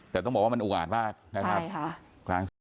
แต่ต้องบอกว่ามันอุหาญมากใช่ค่ะ